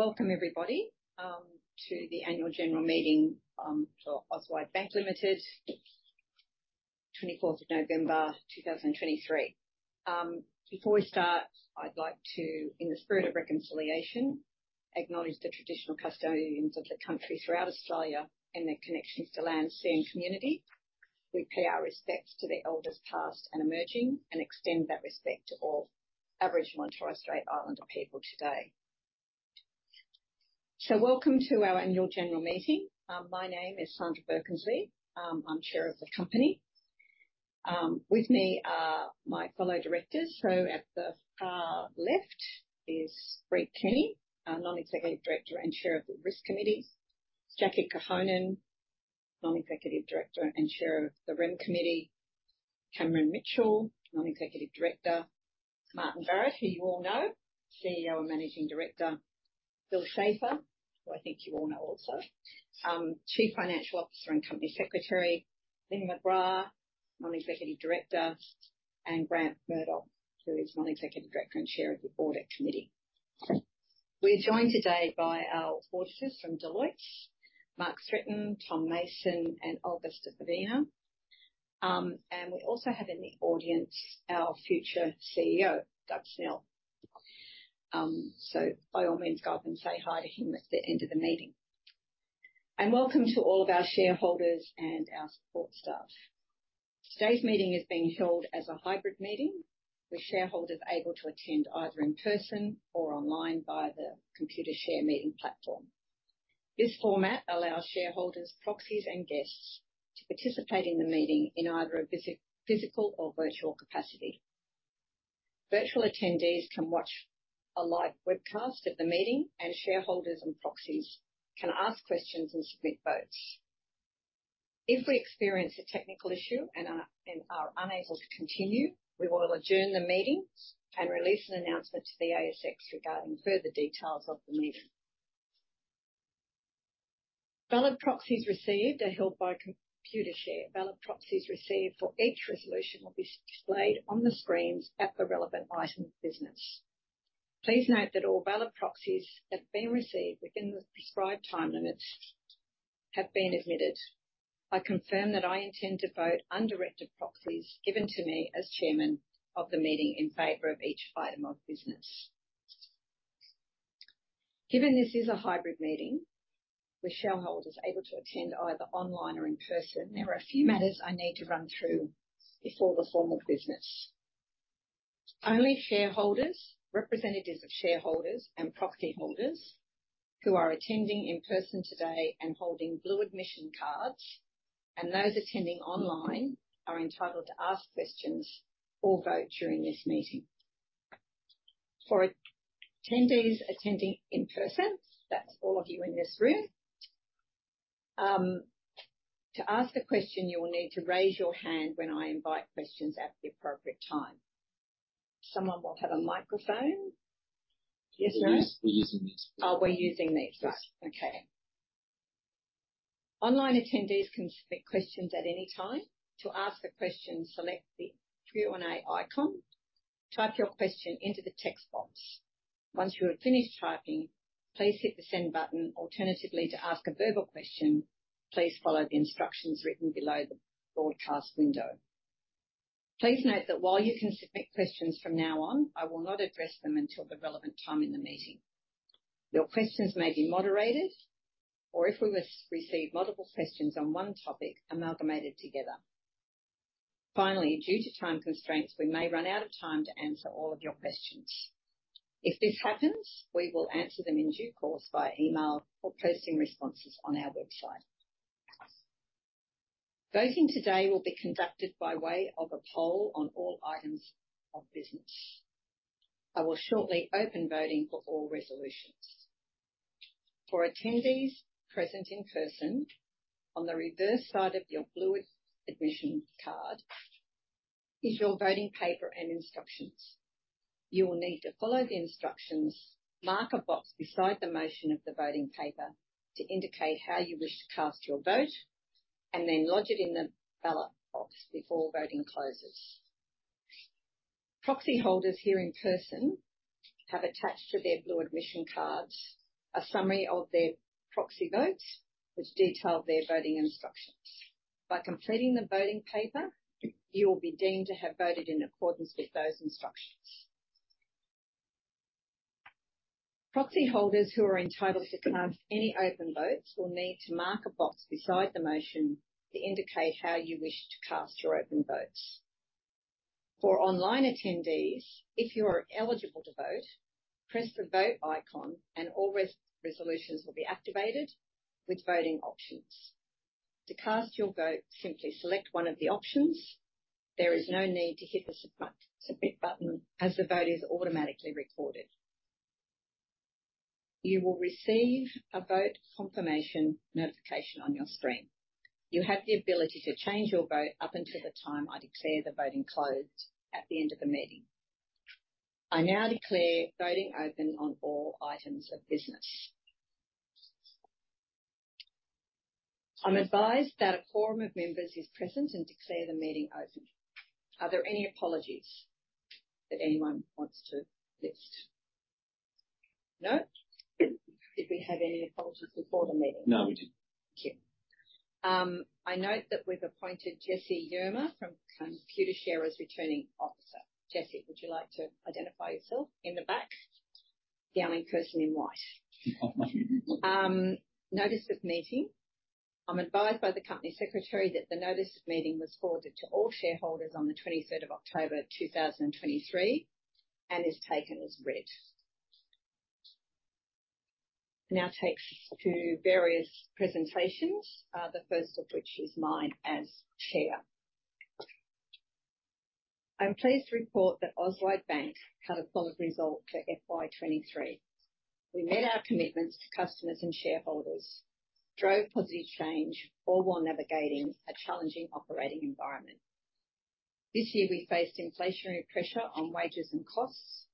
Welcome, everybody, to the Annual General Meeting for Auswide Bank Limited, November 24, 2023. Before we start, I'd like to, in the spirit of reconciliation, acknowledge the traditional custodians of the country throughout Australia and their connections to land, sea, and community. We pay our respects to the elders, past and emerging, and extend that respect to all Aboriginal and Torres Strait Islander people today. So welcome to our annual general meeting. My name is Sandra Birkensleigh. I'm chair of the company. With me are my fellow directors, who at the far left is Bree Kenny, our non-executive director and chair of the Risk Committee. Jackie Korhonen, non-executive director and chair of the Rem Committee. Cameron Mitchell, non-executive director. Martin Barrett, who you all know, CEO and Managing Director. Bill Schafer, who I think you all know also Chief Financial Officer and Company Secretary, Lynne McGrath, non-executive director, and Grant Murdoch, who is non-executive director and Chair of the Audit Committee. We're joined today by our auditors from Deloitte, Mark Tretton, Tom Mason, and Augusta Pavina. And we also have in the audience our future CEO, Doug Snell. So by all means, go up and say hi to him at the end of the meeting. Welcome to all of our shareholders and our support staff. Today's meeting is being held as a hybrid meeting, with shareholders able to attend either in person or online via the Computershare meeting platform. This format allows shareholders, proxies, and guests to participate in the meeting in either a physical or virtual capacity. Virtual attendees can watch a live webcast of the meeting, and shareholders and proxies can ask questions and submit votes. If we experience a technical issue and are unable to continue, we will adjourn the meeting and release an announcement to the ASX regarding further details of the meeting. Valid proxies received are held by Computershare. Valid proxies received for each resolution will be displayed on the screens at the relevant item of business. Please note that all valid proxies that have been received within the prescribed time limits have been admitted. I confirm that I intend to vote undirected proxies given to me as Chairman of the meeting in favor of each item of business. Given this is a hybrid meeting, with shareholders able to attend either online or in person, there are a few matters I need to run through before the formal business. Only shareholders, representatives of shareholders, and proxy holders who are attending in person today and holding blue admission cards, and those attending online are entitled to ask questions or vote during this meeting. For attendees attending in person, that's all of you in this room, to ask a question, you will need to raise your hand when I invite questions at the appropriate time. Someone will have a microphone. Yes or no? We're using these. We're using these. Right. Okay. Online attendees can submit questions at any time. To ask a question, select the Q&A icon, type your question into the text box. Once you have finished typing, please hit the send button. Alternatively, to ask a verbal question, please follow the instructions written below the broadcast window. Please note that while you can submit questions from now on, I will not address them until the relevant time in the meeting. Your questions may be moderated, or if we receive multiple questions on one topic, amalgamated together. Finally, due to time constraints, we may run out of time to answer all of your questions. If this happens, we will answer them in due course by email or posting responses on our website. Voting today will be conducted by way of a poll on all items of business. I will shortly open voting for all resolutions. For attendees present in person, on the reverse side of your blue admission card is your voting paper and instructions. You will need to follow the instructions, mark a box beside the motion of the voting paper to indicate how you wish to cast your vote, and then lodge it in the ballot box before voting closes. Proxy holders here in person have attached to their blue admission cards, a summary of their proxy votes, which detail their voting instructions. By completing the voting paper, you will be deemed to have voted in accordance with those instructions. Proxy holders who are entitled to cast any open votes, will need to mark a box beside the motion to indicate how you wish to cast your open votes. For online attendees, if you are eligible to vote, press the vote icon and all resolutions will be activated with voting options. To cast your vote, simply select one of the options. There is no need to hit the submit button, as the vote is automatically recorded. You will receive a vote confirmation notification on your screen. You have the ability to change your vote up until the time I declare the voting closed at the end of the meeting. I now declare voting open on all items of business. I'm advised that a quorum of members is present and declare the meeting open. Are there any apologies that anyone wants to list? No. Did we have any apologies before the meeting? No, we didn't. Thank you. I note that we've appointed Jesse Yerma from Computershare as Returning Officer. Jesse, would you like to identify yourself? In the back, the only person in white. Notice of meeting. I'm advised by the Company Secretary that the notice of meeting was forwarded to all shareholders on the October 23rd, 2023, and is taken as read. It now takes us to various presentations, the first of which is mine as Chair. I'm pleased to report that Auswide Bank had a solid result for FY 2023. We met our commitments to customers and shareholders, drove positive change, all while navigating a challenging operating environment. This year, we faced inflationary pressure on wages and costs,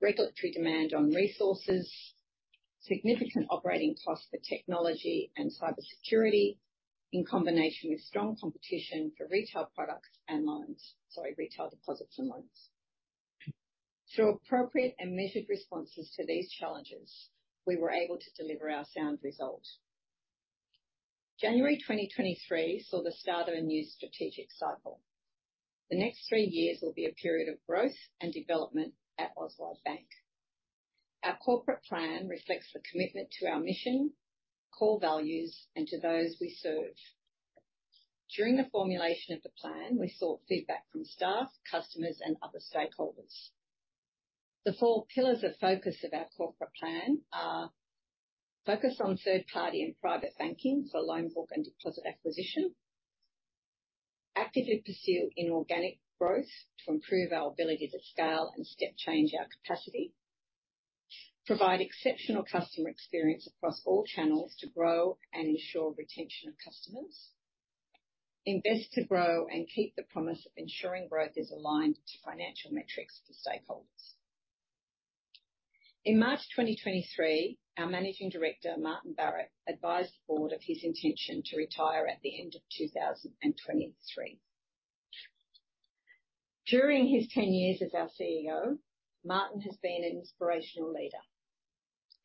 regulatory demand on resources, significant operating costs for technology and cybersecurity, in combination with strong competition for retail deposits and loans. Through appropriate and measured responses to these challenges, we were able to deliver our sound result. January 2023 saw the start of a new strategic cycle. The next three years will be a period of growth and development at Auswide Bank. Our corporate plan reflects the commitment to our mission, core values, and to those we serve. During the formulation of the plan, we sought feedback from staff, customers, and other stakeholders. The four pillars of focus of our corporate plan are: focus on third-party and private banking for loan book and deposit acquisition. Actively pursue inorganic growth to improve our ability to scale and step change our capacity. Provide exceptional customer experience across all channels to grow and ensure retention of customers. Invest to grow and keep the promise of ensuring growth is aligned to financial metrics for stakeholders. In March 2023, our Managing Director, Martin Barrett, advised the board of his intention to retire at the end of 2023. During his 10 years as our CEO, Martin has been an inspirational leader,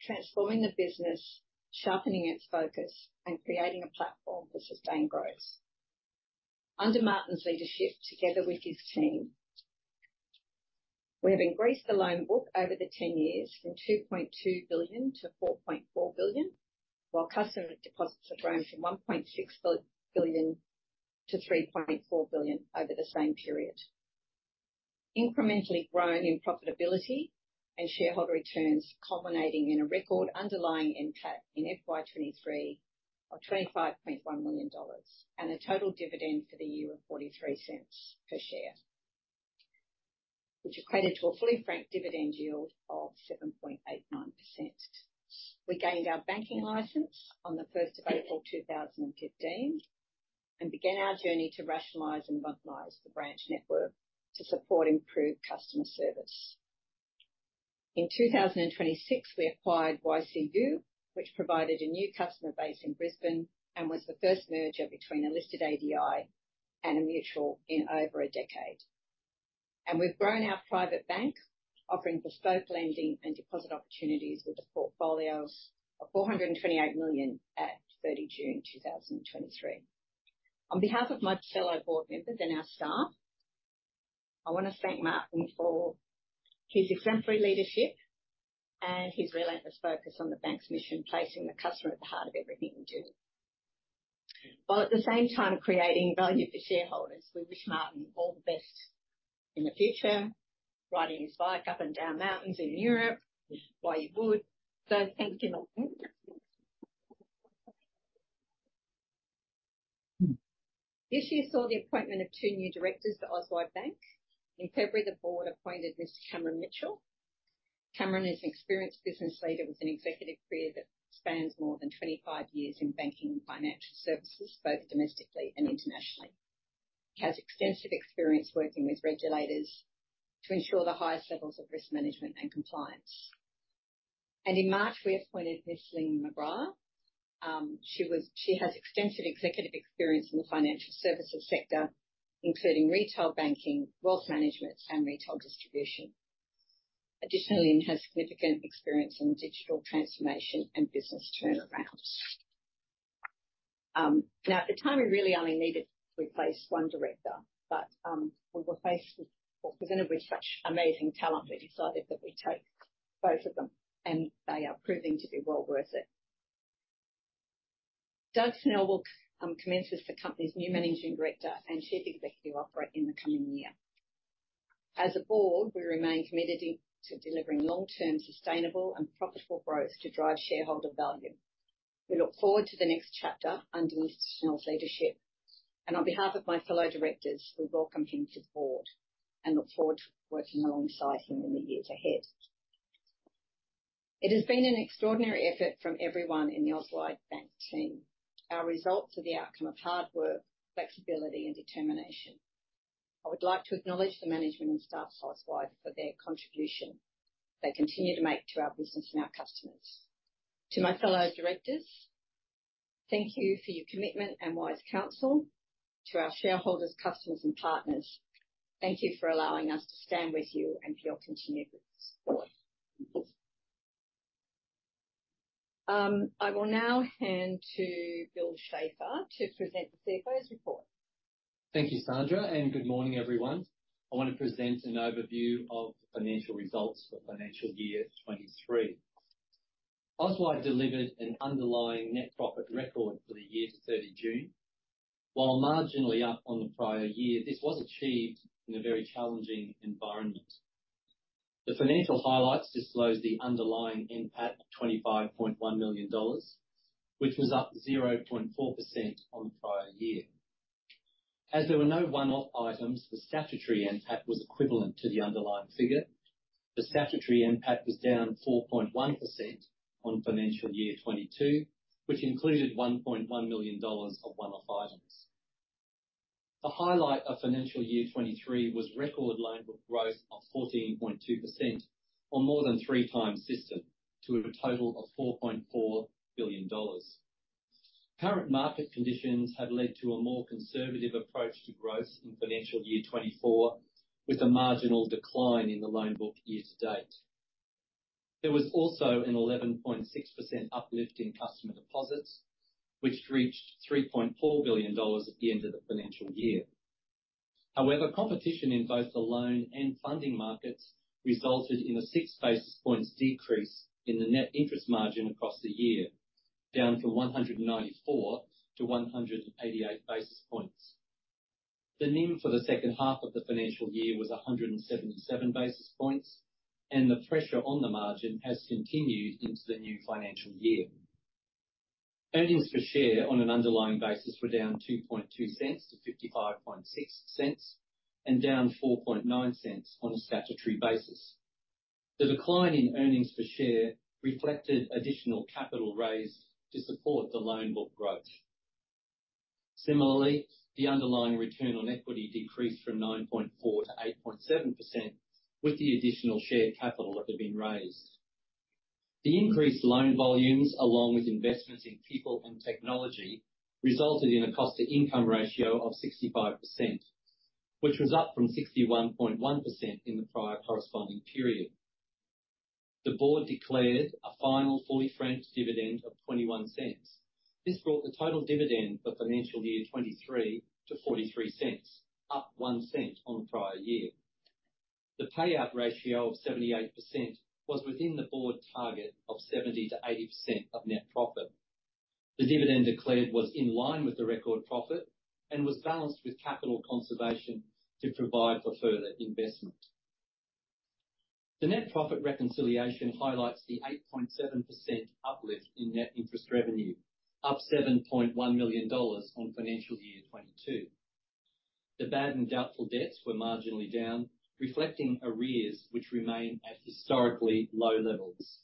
transforming the business, sharpening its focus and creating a platform for sustained growth. Under Martin's leadership, together with his team, we have increased the loan book over the 10 years from 2.2 billion to 4.4 billion, while customer deposits have grown from 1.6 billion to 3.4 billion over the same period. Incrementally grown in profitability and shareholder returns, culminating in a record underlying NPAT in FY 2023 of 25.1 million dollars, and a total dividend for the year of 0.43 per share, which equated to a fully franked dividend yield of 7.89%. We gained our banking license on the first of April 2015, and began our journey to rationalize and bundleize the branch network to support improved customer service. In 2026, we acquired YCU, which provided a new customer base in Brisbane and was the first merger between a listed ADI and a mutual in over a decade. We've grown our private bank, offering bespoke lending and deposit opportunities with the portfolios of 428 million at June 30, 2023. On behalf of my fellow board members and our staff, I want to thank Martin for his exemplary leadership and his relentless focus on the bank's mission, placing the customer at the heart of everything we do, while at the same time creating value for shareholders. We wish Martin all the best in the future, riding his bike up and down mountains in Europe, which is why he would. So thank you, Martin. This year saw the appointment of two new directors to Auswide Bank. In February, the board appointed Mr. Cameron Mitchell. Cameron is an experienced business leader with an executive career that spans more than 25 years in banking and financial services, both domestically and internationally. He has extensive experience working with regulators to ensure the highest levels of risk management and compliance. And in March, we appointed Ms. Lynne McGrath. She has extensive executive experience in the financial services sector, including retail banking, wealth management, and retail distribution. Additionally, Lynne has significant experience in digital transformation and business turnarounds. Now, at the time, we really only needed to replace one director, but we were faced with or presented with such amazing talent, we decided that we'd take both of them, and they are proving to be well worth it. Doug Snell will commence as the company's new Managing Director and Chief Executive Officer in the coming year. As a board, we remain committed to delivering long-term, sustainable and profitable growth to drive shareholder value. We look forward to the next chapter under Snell's leadership, and on behalf of my fellow directors, we welcome him to the board and look forward to working alongside him in the years ahead. It has been an extraordinary effort from everyone in the Auswide Bank team. Our results are the outcome of hard work, flexibility, and determination. I would like to acknowledge the management and staff, Auswide, for their contribution they continue to make to our business and our customers. To my fellow directors, thank you for your commitment and wise counsel. To our shareholders, customers, and partners, thank you for allowing us to stand with you and for your continued support. I will now hand to Bill Schafer to present the CFO's report. Thank you, Sandra, and good morning, everyone. I want to present an overview of the financial results for financial year 2023. Auswide delivered an underlying net profit record for the year to June 30. While marginally up on the prior year, this was achieved in a very challenging environment. The financial highlights disclose the underlying NPAT, 25.1 million dollars, which was up 0.4% on the prior year. As there were no one-off items, the statutory NPAT was equivalent to the underlying figure. The statutory NPAT was down 4.1% on financial year 2022, which included 1.1 million dollars of one-off items. The highlight of financial year 2023 was record loan book growth of 14.2% or more than 3x system, to a total of 4.4 billion dollars. Current market conditions have led to a more conservative approach to growth in financial year 2024, with a marginal decline in the loan book year to date. There was also an 11.6% uplift in customer deposits, which reached 3.4 billion dollars at the end of the financial year. However, competition in both the loan and funding markets resulted in a 6 basis points decrease in the net interest margin across the year, down from 194 to 188 basis points. The NIM for the second half of the financial year was 177 basis points, and the pressure on the margin has continued into the new financial year. Earnings per share on an underlying basis were down 0.022 to 0.556 and down 0.049 on a statutory basis. The decline in earnings per share reflected additional capital raised to support the loan book growth. Similarly, the underlying return on equity decreased from 9.4% to 8.7% with the additional share capital that had been raised. The increased loan volumes, along with investments in people and technology, resulted in a cost-to-income ratio of 65%, which was up from 61.1% in the prior corresponding period. The board declared a final fully franked dividend of 0.21. This brought the total dividend for financial year 2023 to 0.43, up 0.01 on the prior year. The payout ratio of 78% was within the board target of 70%-80% of net profit. The dividend declared was in line with the record profit and was balanced with capital conservation to provide for further investment. The net profit reconciliation highlights the 8.7% uplift in net interest revenue, up 7.1 million dollars on financial year 2022. The bad and doubtful debts were marginally down, reflecting arrears, which remain at historically low levels.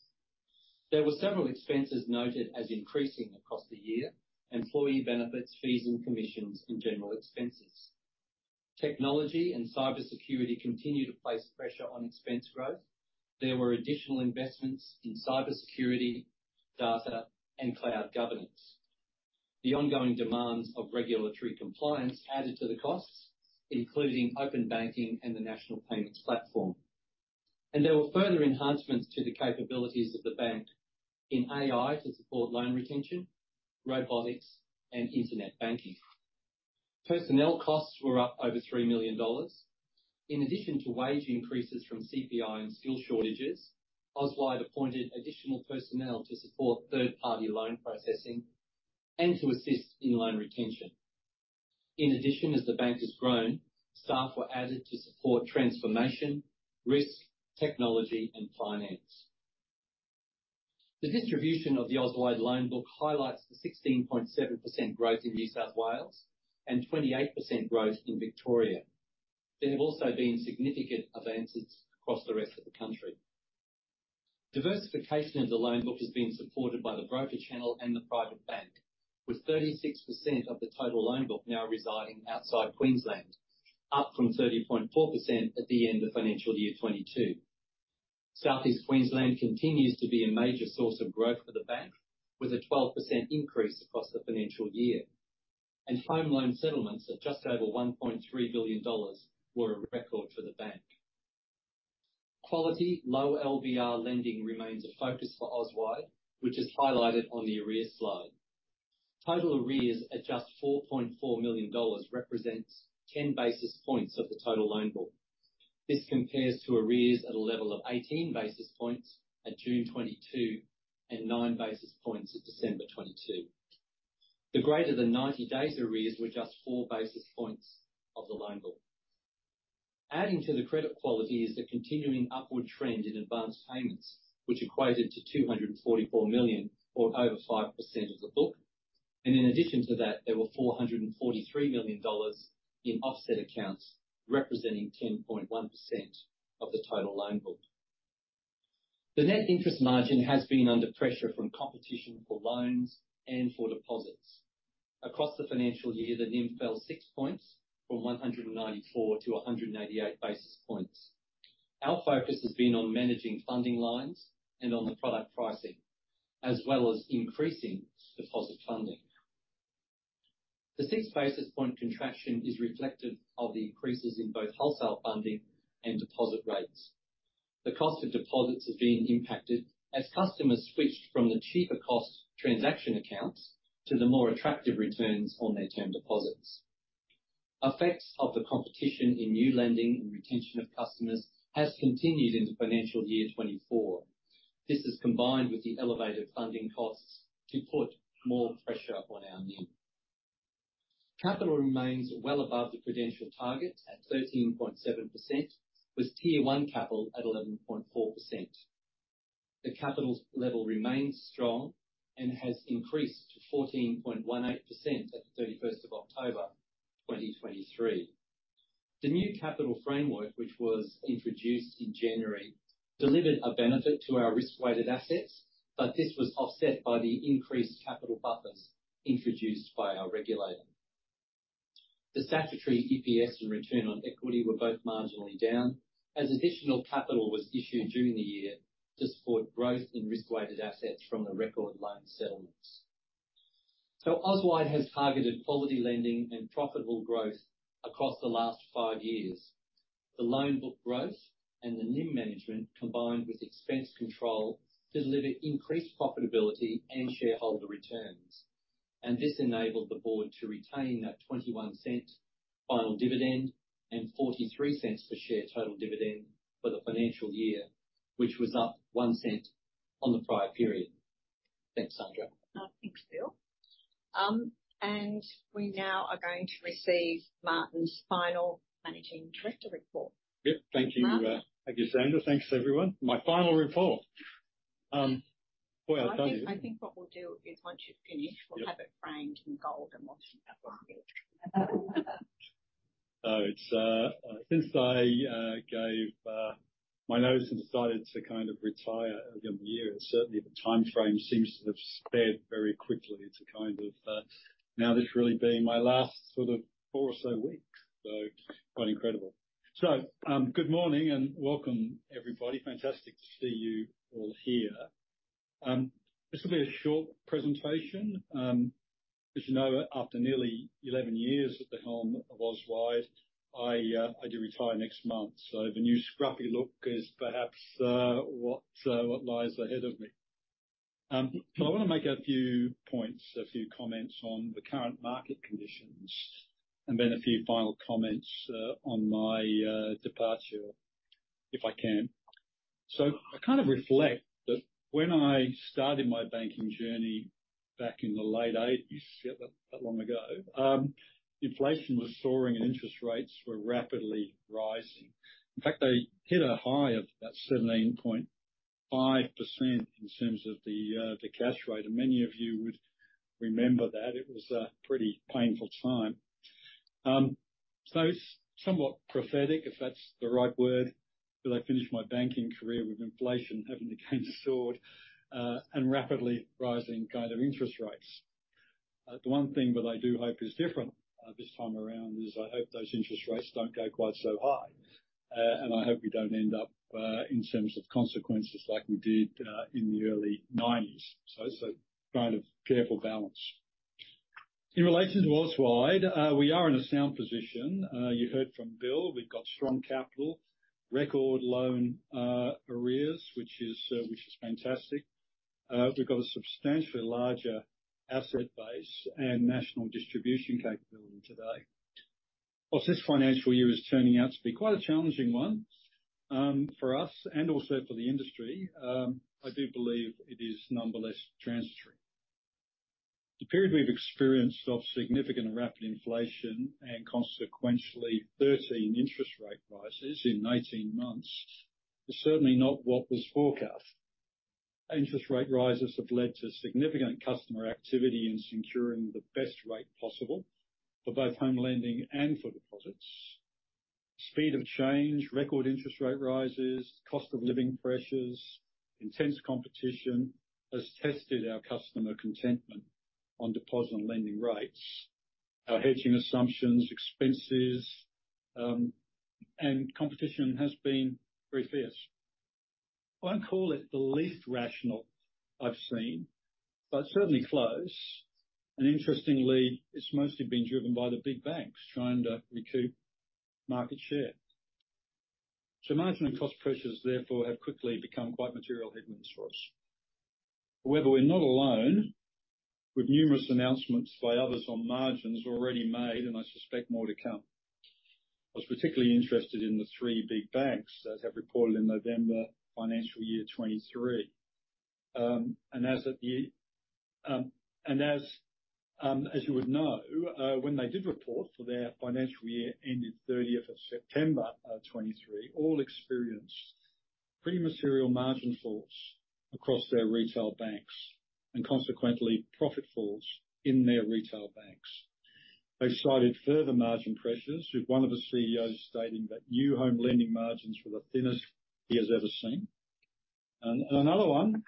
There were several expenses noted as increasing across the year: employee benefits, fees and commissions, and general expenses. Technology and cybersecurity continue to place pressure on expense growth. There were additional investments in cybersecurity, data, and cloud governance. The ongoing demands of regulatory compliance added to the costs, including Open Banking and the National Payments Platform. There were further enhancements to the capabilities of the bank in AI to support loan retention, robotics, and internet banking. Personnel costs were up over 3 million dollars. In addition to wage increases from CPI and skill shortages, Auswide appointed additional personnel to support third-party loan processing and to assist in loan retention. In addition, as the bank has grown, staff were added to support transformation, risk, technology, and finance. The distribution of the Auswide loan book highlights the 16.7% growth in New South Wales and 28% growth in Victoria. There have also been significant advances across the rest of the country. Diversification of the loan book is being supported by the broker channel and the private bank, with 36% of the total loan book now residing outside Queensland, up from 30.4% at the end of financial year 2022. Southeast Queensland continues to be a major source of growth for the bank, with a 12% increase across the financial year. Home loan settlements at just over 1.3 billion dollars were a record for the bank. Quality low LVR lending remains a focus for Auswide, which is highlighted on the arrears slide. Total arrears at just 4.4 million dollars represents 10 basis points of the total loan book. This compares to arrears at a level of 18 basis points at June 2022 and 9 basis points at December 2022. The greater than 90 days arrears were just 4 basis points of the loan book. Adding to the credit quality is the continuing upward trend in advanced payments, which equated to 244 million, or over 5% of the book. And in addition to that, there were 443 million dollars in offset accounts, representing 10.1% of the total loan book. The net interest margin has been under pressure from competition for loans and for deposits. Across the financial year, the NIM fell 6 points, from 194 to 188 basis points. Our focus has been on managing funding lines and on the product pricing, as well as increasing deposit funding. The six basis point contraction is reflective of the increases in both wholesale funding and deposit rates. The cost of deposits are being impacted as customers switched from the cheaper cost transaction accounts to the more attractive returns on their term deposits. Effects of the competition in new lending and retention of customers has continued into financial year 2024. This is combined with the elevated funding costs to put more pressure on our NIM. Capital remains well above the prudential target at 13.7%, with Tier 1 Capital at 11.4%. The capital's level remains strong and has increased to 14.18% at the October 31st, 2023. The new capital framework, which was introduced in January, delivered a benefit to our risk-weighted assets, but this was offset by the increased capital buffers introduced by our regulator. The statutory EPS and return on equity were both marginally down, as additional capital was issued during the year to support growth in risk-weighted assets from the record loan settlements. So Auswide has targeted quality lending and profitable growth across the last five years. The loan book growth and the NIM management, combined with expense control, delivered increased profitability and shareholder returns, and this enabled the board to retain that 0.21 final dividend and 0.43 per share total dividend for the financial year, which was up 0.01 on the prior period. Thanks, Sandra. Thanks, Bill. And we now are going to receive Martin's final Managing Director report. Yep. Thank you, Martin. Thank you, Sandra. Thanks, everyone. My final report. Well, I've done it. I think what we'll do is, once you've finishedm we'll have it framed in gold, and we'll hang it. So it's since I gave my notice and decided to kind of retire earlier in the year, certainly the time frame seems to have sped very quickly to kind of now this really being my last sort of 4 or so weeks, so quite incredible. Good morning and welcome, everybody. Fantastic to see you all here. This will be a short presentation. As you know, after nearly 11 years at the helm of Auswide, I do retire next month, so the new scruffy look is perhaps what lies ahead of me. I want to make a few points, a few comments on the current market conditions, and then a few final comments on my departure, if I can. So I kind of reflect that when I started my banking journey back in the late 1980s, yeah, that long ago, inflation was soaring and interest rates were rapidly rising. In fact, they hit a high of about 17.5% in terms of the cash rate, and many of you would remember that. It was a pretty painful time. So it's somewhat prophetic, if that's the right word, that I finish my banking career with inflation having again soared and rapidly rising kind of interest rates. The one thing that I do hope is different this time around is I hope those interest rates don't go quite so high. And I hope we don't end up in terms of consequences like we did in the early 1990s, so kind of careful balance. In relation to Auswide, we are in a sound position. You heard from Bill, we've got strong capital, record loan arrears, which is fantastic. We've got a substantially larger asset base and national distribution capability today. While this financial year is turning out to be quite a challenging one, for us and also for the industry, I do believe it is nonetheless transitory. The period we've experienced of significant and rapid inflation, and consequentially, 13 interest rate rises in 18 months, is certainly not what was forecast. Interest rate rises have led to significant customer activity in securing the best rate possible for both home lending and for deposits. Speed of change, record interest rate rises, cost of living pressures, intense competition, has tested our customer contentment on deposit and lending rates. Our hedging assumptions, expenses, and competition has been very fierce. I won't call it the least rational I've seen, but certainly close, and interestingly, it's mostly been driven by the big banks trying to recoup market share. So margin and cost pressures, therefore, have quickly become quite material headwinds for us. However, we're not alone, with numerous announcements by others on margins already made, and I suspect more to come. I was particularly interested in the three big banks that have reported in November financial year 2023. And as you would know, when they did report for their financial year, ended September 30th, 2023, all experienced pretty material margin falls across their retail banks and, consequently, profit falls in their retail banks. They've cited further margin pressures, with one of the CEOs stating that new home lending margins were the thinnest he has ever seen. Another one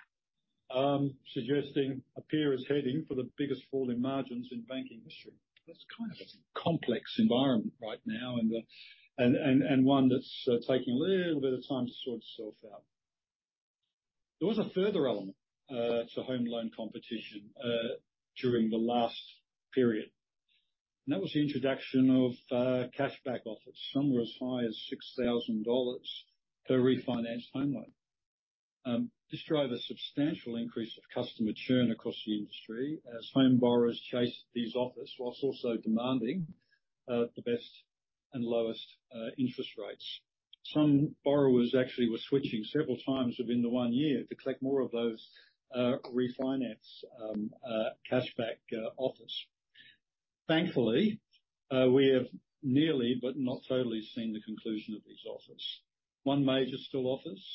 suggesting a peer is heading for the biggest fall in margins in banking history. That's kind of a complex environment right now, and one that's taking a little bit of time to sort itself out. There was a further element to home loan competition during the last period, and that was the introduction of cashback offers. Some were as high as 6,000 dollars per refinanced home loan. This drove a substantial increase of customer churn across the industry as home borrowers chased these offers, while also demanding the best and lowest interest rates. Some borrowers actually were switching several times within the one year to collect more of those, refinance, cashback, offers. Thankfully, we have nearly, but not totally, seen the conclusion of these offers. One major still offers,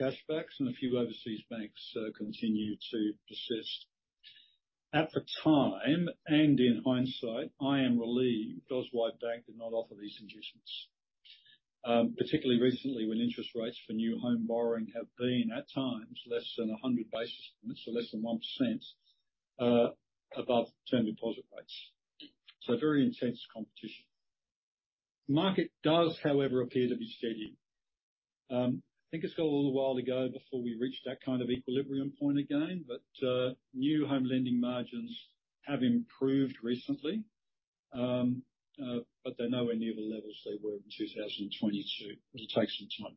cashbacks, and a few overseas banks, continue to persist. At the time, and in hindsight, I am relieved Auswide Bank did not offer these inducements. Particularly recently, when interest rates for new home borrowing have been, at times, less than 100 basis points, so less than 1%, above term deposit rates. So very intense competition. Market does, however, appear to be steadying. I think it's got a little while to go before we reach that kind of equilibrium point again, but, new home lending margins have improved recently. But they're nowhere near the levels they were in 2022. It'll take some time.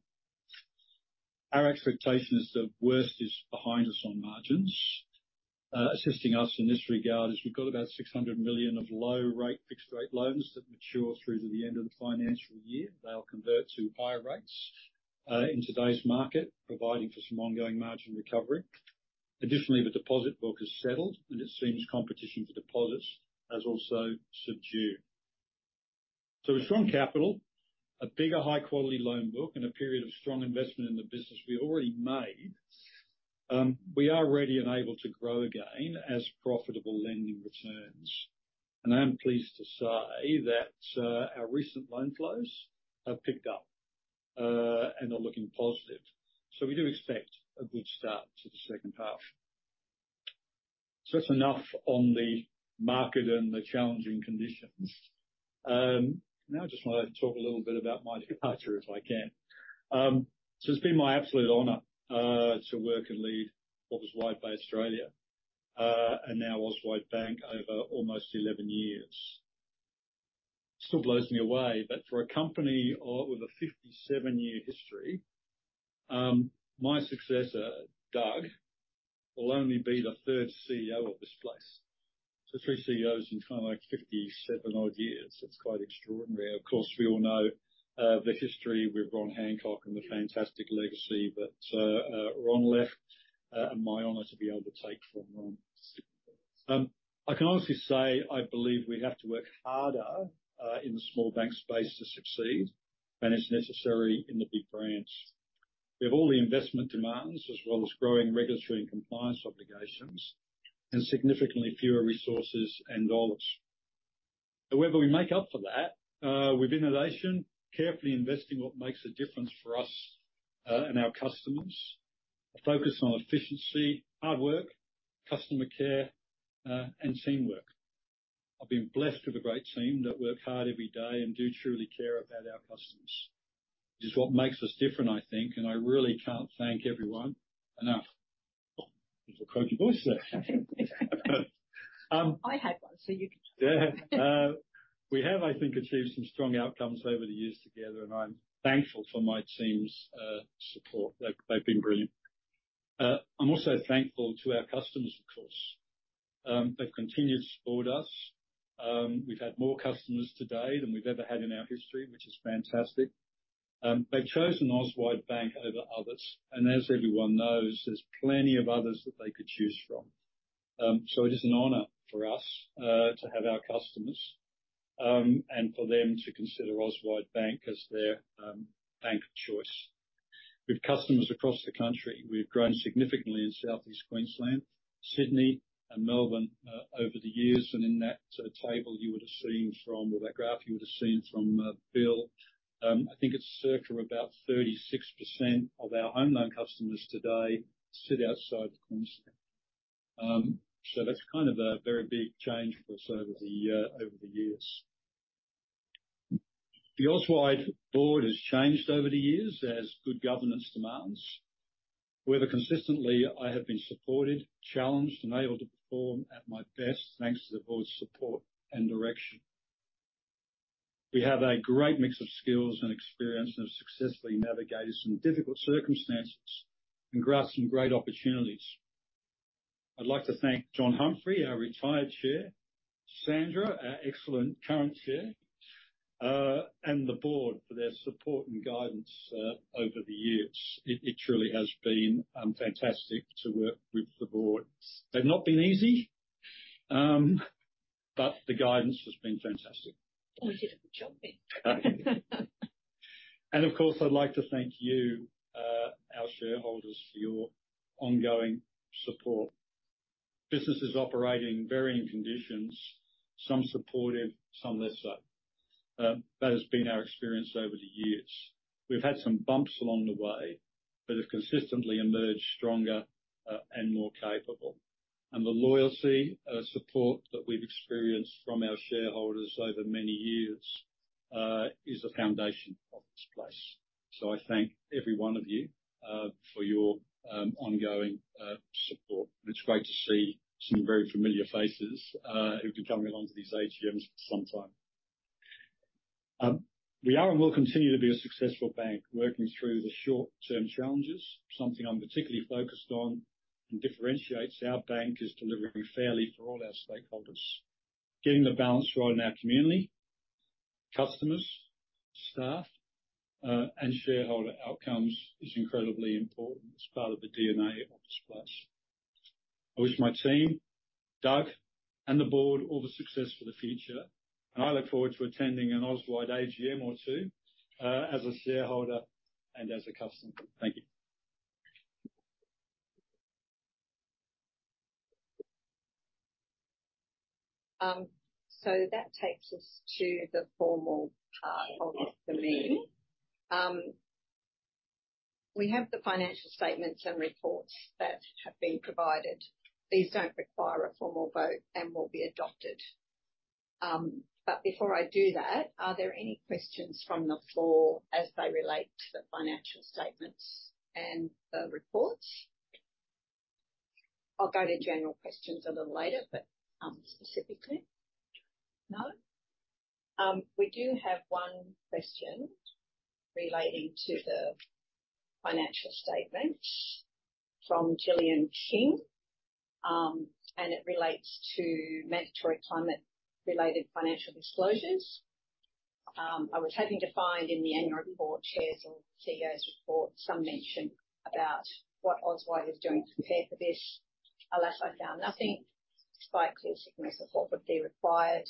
Our expectation is the worst is behind us on margins. Assisting us in this regard is we've got about 600 million of low rate, fixed rate loans that mature through to the end of the financial year. They'll convert to higher rates in today's market, providing for some ongoing margin recovery. Additionally, the deposit book is settled, and it seems competition for deposits has also subdued. So with strong capital, a bigger, high-quality loan book, and a period of strong investment in the business we already made, we are ready and able to grow again as profitable lending returns. I am pleased to say that our recent loan flows have picked up and are looking positive. So we do expect a good start to the second half. So that's enough on the market and the challenging conditions. Now I just want to talk a little bit about my departure, if I can. So it's been my absolute honor to work and lead what was Wide Bay Australia and now Auswide Bank, over almost 11 years. Still blows me away, but for a company with a 57-year history, my successor, Doug, will only be the third CEO of this place. So three CEOs in kind of, like, 57 odd years. That's quite extraordinary. Of course, we all know the history with Ron Hancock and the fantastic legacy that Ron left, and my honor to be able to take from Ron. I can honestly say, I believe we have to work harder in the small bank space to succeed than is necessary in the big brands. We have all the investment demands, as well as growing regulatory and compliance obligations, and significantly fewer resources and dollars. However, we make up for that with innovation, carefully investing what makes a difference for us and our customers, a focus on efficiency, hard work, customer care, and teamwork. I've been blessed with a great team that work hard every day and do truly care about our customers, which is what makes us different, I think, and I really can't thank everyone enough. Little croaky voice there. I had one, so you can too. Yeah. We have, I think, achieved some strong outcomes over the years together, and I'm thankful for my team's support. They've been brilliant. I'm also thankful to our customers, of course. They've continued to support us. We've had more customers today than we've ever had in our history, which is fantastic. They've chosen Auswide Bank over others, and as everyone knows, there's plenty of others that they could choose from. So it is an honor for us to have our customers and for them to consider Auswide Bank as their bank of choice. With customers across the country, we've grown significantly in Southeast Queensland, Sydney, and Melbourne over the years, and in that table you would have seen from or that graph you would have seen from Bill. I think it's circa about 36% of our home loan customers today sit outside Queensland. So that's kind of a very big change for us over the years. The Auswide board has changed over the years, as good governance demands. However, consistently, I have been supported, challenged, and able to perform at my best, thanks to the board's support and direction. We have a great mix of skills and experience, and have successfully navigated some difficult circumstances and grabbed some great opportunities. I'd like to thank John Humphrey, our retired chair, Sandra, our excellent current chair, and the board for their support and guidance over the years. It truly has been fantastic to work with the board. They've not been easy, but the guidance has been fantastic. Well, you did a good job. Of course, I'd like to thank you, our shareholders for your ongoing support. Business is operating varying conditions, some supportive, some lesser. That has been our experience over the years. We've had some bumps along the way, but have consistently emerged stronger and more capable. The loyalty, support that we've experienced from our shareholders over many years is the foundation of this place. So I thank every one of you for your ongoing support. It's great to see some very familiar faces who've been coming along to these AGMs for some time. We are and will continue to be a successful bank working through the short-term challenges. Something I'm particularly focused on, and differentiates our bank, is delivering fairly for all our stakeholders. Getting the balance right in our community, customers, staff, and shareholder outcomes is incredibly important. It's part of the DNA of this place. I wish my team, Doug, and the board all the success for the future, and I look forward to attending an Auswide AGM or two, as a shareholder and as a customer. Thank you. So that takes us to the formal part of the meeting. We have the financial statements and reports that have been provided. These don't require a formal vote and will be adopted. But before I do that, are there any questions from the floor as they relate to the financial statements and the reports? I'll go to general questions a little later, but, specifically? No. We do have one question relating to the financial statements from Gillian King. And it relates to mandatory climate-related financial disclosures. "I was hoping to find in the annual report, Chair's or CEO's report, some mention about what Auswide is doing to prepare for this. Alas, I found nothing, despite clear signal the support would be required,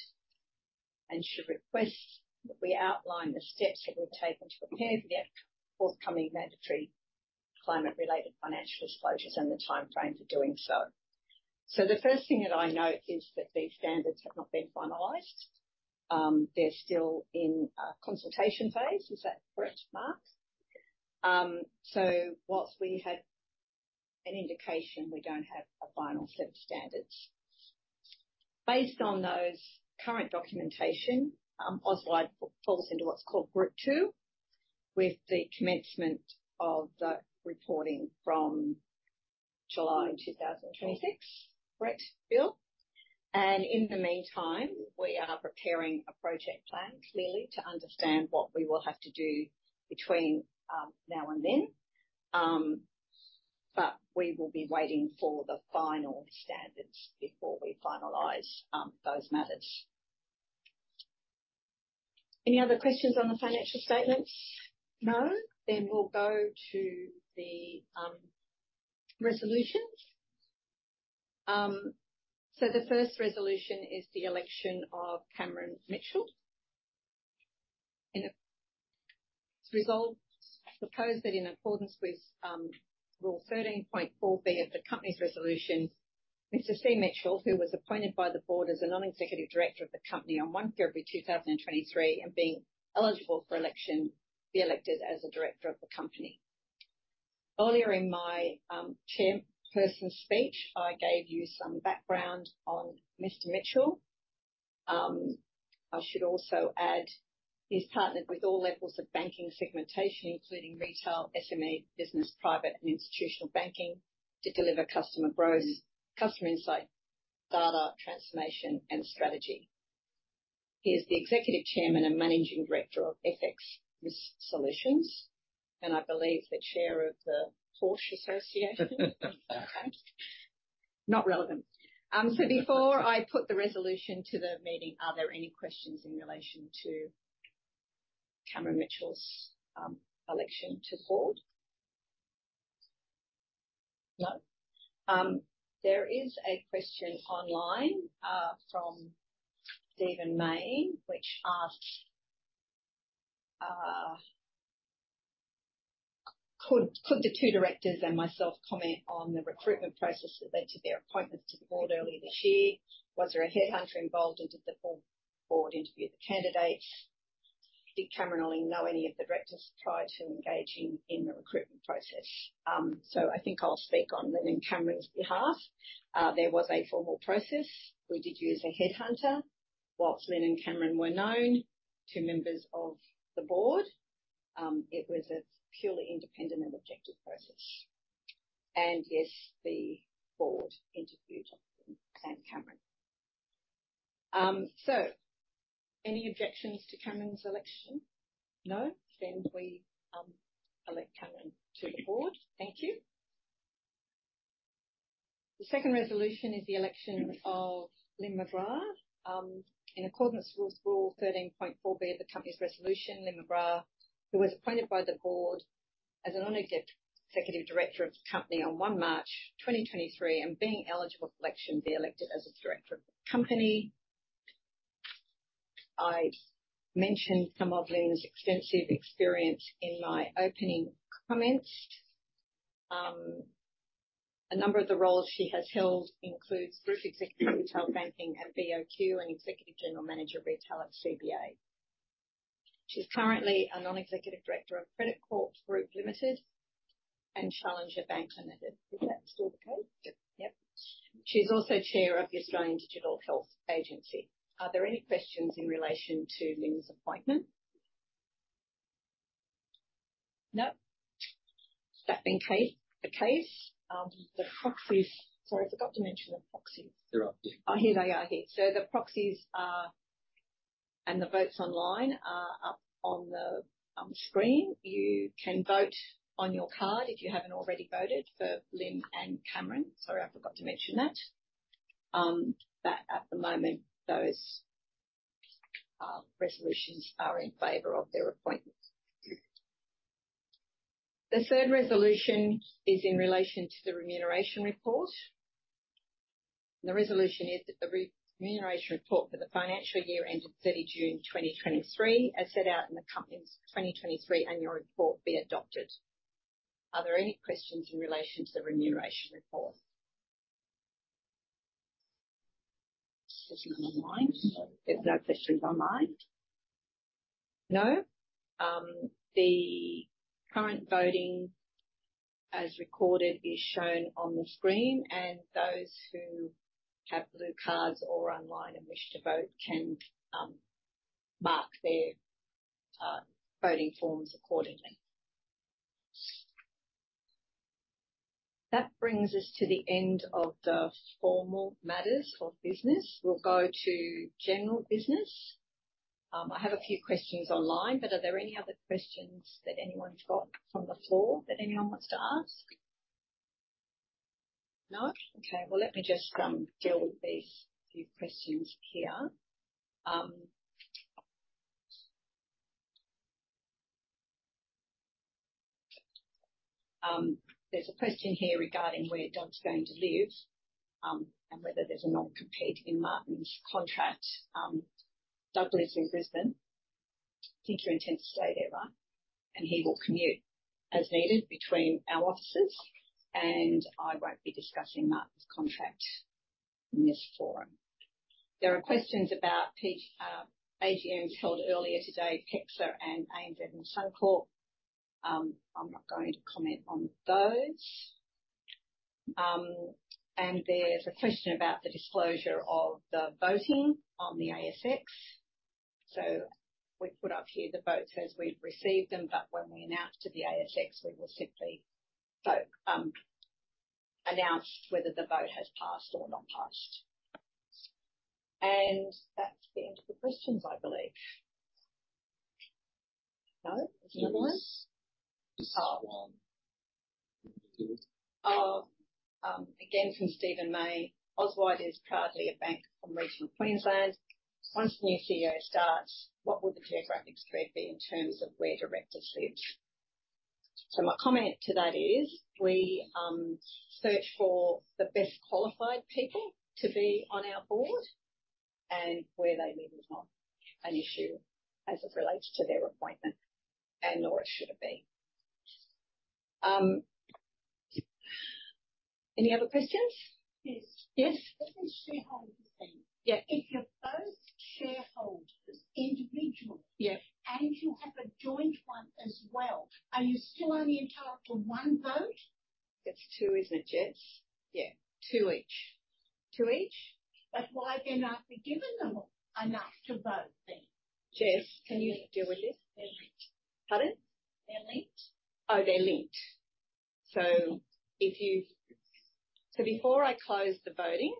and should request that we outline the steps that we've taken to prepare for the forthcoming mandatory climate-related financial disclosures and the timeframe for doing so." So the first thing that I note is that these standards have not been finalized. They're still in consultation phase. Is that correct, Mark? So whilst we have an indication, we don't have a final set of standards. Based on those current documentation, Auswide falls into what's called group two, with the commencement of the reporting from July 2026. Correct, Bill? And in the meantime, we are preparing a project plan, clearly, to understand what we will have to do between now and then. But we will be waiting for the final standards before we finalize those matters. Any other questions on the financial statements? No. Then we'll go to the resolutions. So the first resolution is the election of Cameron Mitchell. I propose that in accordance with rule 13.4 B of the company's resolution, Mr. C Mitchell, who was appointed by the board as a non-executive director of the company on February 1, 2023, and being eligible for election, be elected as a director of the company. Earlier in my chairperson speech, I gave you some background on Mr. Mitchell. I should also add, he's partnered with all levels of banking segmentation, including retail, SME, business, private, and institutional banking, to deliver customer growth, customer insight, data transformation, and strategy. He is the executive chairman and managing director of FX Risk Solutions, and I believe the chair of the Porsche Association. Not relevant. So before I put the resolution to the meeting, are there any questions in relation to Cameron Mitchell's election to board? No. There is a question online from Stephen May, which asks: Could the two directors and myself comment on the recruitment process that led to their appointments to the board earlier this year? Was there a headhunter involved, or did the board interview the candidates? Did Cameron or any of the directors try to engage in the recruitment process? So I think I'll speak on Lynne and Cameron's behalf. There was a formal process. We did use a headhunter. Whilst Lynne and Cameron were known to members of the board, it was a purely independent and objective process. And yes, the board interviewed Cameron. So any objections to Cameron's election? No. Then we elect Cameron to the board. Thank you. The second resolution is the election of Lynne McGrath. In accordance with rule 13.4 B of the company's constitution, Lynne McGrath, who was appointed by the board as a non-executive director of the company on March 1, 2023, and being eligible for election, be elected as a director of the company. I mentioned some of Lynne's extensive experience in my opening comments. A number of the roles she has held includes Group Executive, Retail Banking at BOQ, and Executive General Manager of Retail at CBA. She's currently a non-executive director of Credit Corp Group Limited, and Challenger Bank Limited. Is that still the case? Yep. She's also Chair of the Australian Digital Health Agency. Are there any questions in relation to Lynne's appointment? No. That being the case, the proxies, sorry, I forgot to mention the proxies. They're up, yeah. Here they are here. So the proxies are, and the votes online are up on the screen. You can vote on your card if you haven't already voted for Lynne and Cameron. Sorry, I forgot to mention that. But at the moment, those resolutions are in favor of their appointments. The third resolution is in relation to the remuneration report. The resolution is that the remuneration report for the financial year ended June 30, 2023, as set out in the company's 2023 annual report, be adopted. Are there any questions in relation to the remuneration report? There's none online. There's no questions online? No. The current voting, as recorded, is shown on the screen, and those who have blue cards or online and wish to vote can mark their voting forms accordingly. That brings us to the end of the formal matters of business. We'll go to general business. I have a few questions online, but are there any other questions that anyone's got from the floor that anyone wants to ask? No. Okay, well, let me just deal with these few questions here. There's a question here regarding where Doug's going to live, and whether there's a non-compete in Martin's contract. Doug lives in Brisbane. He intends to stay there, right? And he will commute as needed between our offices, and I won't be discussing Martin's contract in this forum. There are questions about peak AGMs held earlier today, PEXA and APM and so forth. I'm not going to comment on those. And there's a question about the disclosure of the voting on the ASX. So we've put up here the votes as we've received them, but when we announce to the ASX, we will simply announce whether the vote has passed or not passed. And that's the end of the questions, I believe. No, there's another one? There's one. Again, from Stephen May, Auswide is proudly a bank from regional Queensland. Once the new CEO starts, what will the geographic spread be in terms of where directors live? So my comment to that is, we search for the best qualified people to be on our board and where they live is not an issue as it relates to their appointment, and nor it should it be. Any other questions? Yes. This is shareholder thing. If you're both shareholders, individuals and you have a joint one as well, are you still only entitled to one vote? It's two, isn't it, Jess? Yeah, Two each. Two each? But why aren't they being given enough to vote then? Jess, can you deal with this? They're linked. Pardon? They're linked. They're linked. So before I close the voting,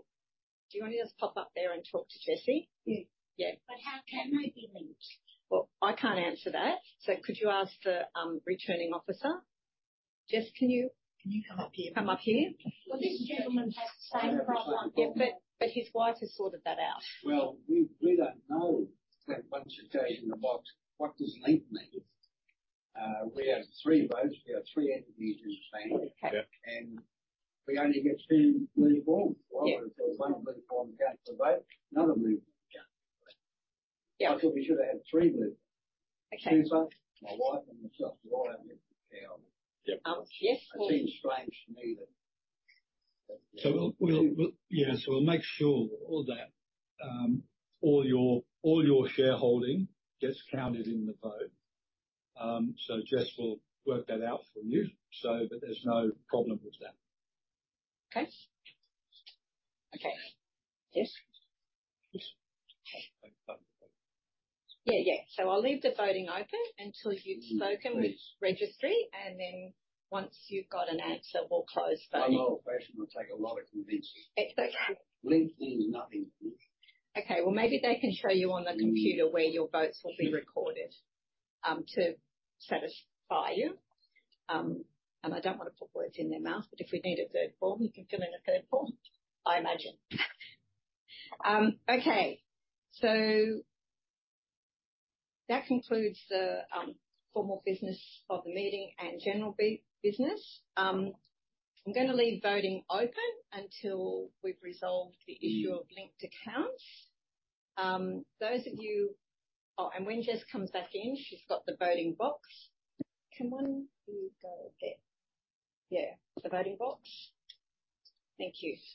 do you want to just pop up there and talk to Jesse? Yeah. Yeah. But how can they be linked? Well, I can't answer that. Could you ask the Returning Officer? Jess, can you come up here? Well, this gentleman has the same problem. Yeah, but his wife has sorted that out. Well, we don't know. So what you say in the box, what does linked mean? We have three votes. We have three entities in the bank. We only get two blue forms. Well, there's one blue form to count the vote, another blue form to count. I thought we should have three blue. My wife and myself, we all have it counted. Seems strange to me then. So, yes, we'll make sure all your shareholding gets counted in the vote. So Jess will work that out for you, so that there's no problem with that. Okay. Jesse? Okay. Yeah. So I'll leave the voting open until you've spoken with registry, and then once you've got an answer, we'll close voting. I know it will take a lot of convincing. Exactly. Linked means nothing to me. Okay, well, maybe they can show you on the computer where your votes will be recorded, to satisfy you. And I don't want to put words in their mouth, but if we need a third form, you can fill in a third form, I imagine. Okay. So that concludes the formal business of the meeting and general business. I'm going to leave voting open until we've resolved the issue of linked accounts. When Jess comes back in, she's got the voting box. Can one of you go there? Yeah, the voting box. Thank you.